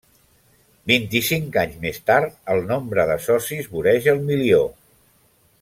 Vint-i-cinc anys més tard, el nombre de socis voreja el milió.